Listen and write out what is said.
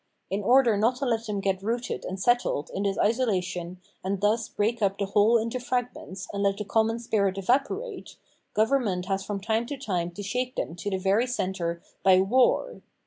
In order not to let them get rooted and settled in this isolation and thus break up the whole into fragments and let the common spirit evaporate, government has from time to time to shake them to the very centre by War.